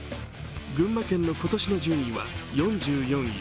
群馬県の今年の順位は４４位。